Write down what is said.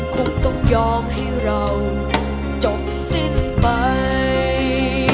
คงต้องยอมให้เราจบสิ้นไป